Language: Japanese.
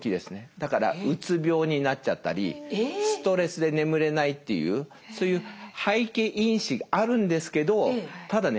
だからうつ病になっちゃったりストレスで眠れないっていうそういう背景因子があるんですけどただね